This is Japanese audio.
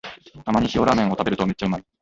たまに塩ラーメンを食べるとめっちゃうまい